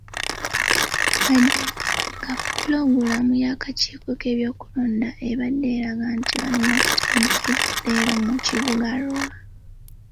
Wadde nga pulogulaamu y'akakiiko k'ebyokulonda ebadde eraga nti balina kutandika leero mu kibuga Arua.